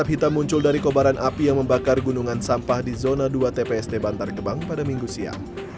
hitam muncul dari kobaran api yang membakar gunungan sampah di zona dua tpst bantar gebang pada minggu siang